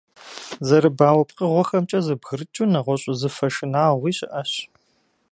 Зэрыбауэ пкъыгъуэхэмкӀэ зэбгрыкӀыу нэгъуэщӀ узыфэ шынагъуи щыӀэщ.